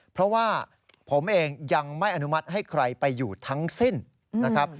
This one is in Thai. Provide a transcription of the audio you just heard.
เพราะว่าผมเองยังไม่อนุมัติให้ใครไปอยู่ทั้งสิ้นนะครับ